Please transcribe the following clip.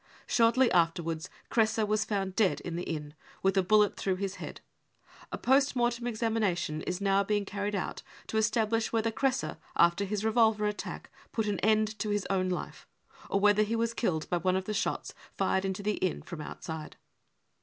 Shortly afterwards Kresse was found dead in the inn, with a bullet through his head. A post mortem examination is now being carried out to establish whether Kresse, after his revolver attack, put an end to his own life, or * 316 brown book of the hitler terror whether he was killed by one of the shots fired into the inn from outside.